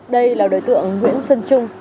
đây là đối tượng nguyễn xuân trung